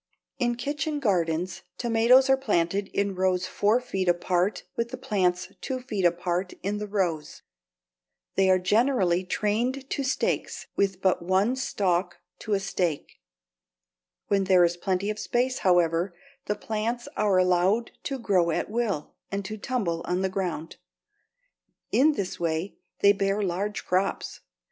In kitchen gardens tomatoes are planted in rows four feet apart with the plants two feet apart in the rows. They are generally trained to stakes with but one stalk to a stake. When there is plenty of space, however, the plants are allowed to grow at will and to tumble on the ground. In this way they bear large crops.